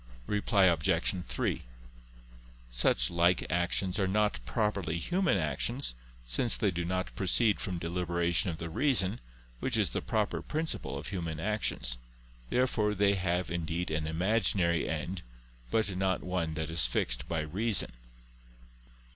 Reply Obj. 3: Such like actions are not properly human actions; since they do not proceed from deliberation of the reason, which is the proper principle of human actions. Therefore they have indeed an imaginary end, but not one that is fixed by reason.